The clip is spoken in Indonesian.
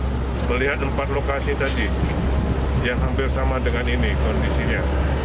saya melihat empat lokasi tadi yang hampir sama dengan ini kondisinya